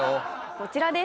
こちらです。